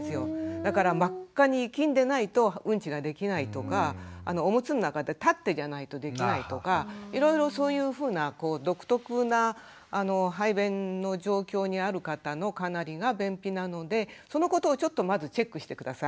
だから真っ赤にいきんでないとうんちができないとかおむつの中で立ってじゃないとできないとかいろいろそういうふうな独特な排便の状況にある方のかなりが便秘なのでそのことをちょっとまずチェックして下さい。